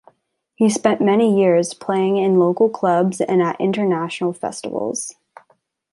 He spent many years playing in local clubs and at international festivals.